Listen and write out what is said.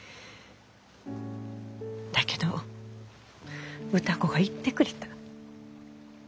だけど歌子が言ってくれた。